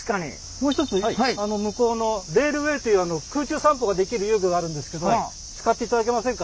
もう一つ向こうのレールウェイという空中散歩ができる遊具があるんですけども使っていただけませんか？